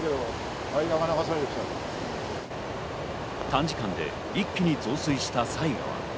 短時間で一気に増水した犀川。